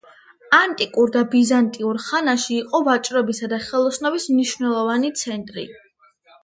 ანტიკურ და ბიზანტიურ ხანაში იყო ვაჭრობისა და ხელოსნობის მნიშვნელოვანი ცენტრი.